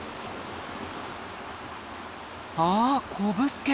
あっこぶすけ。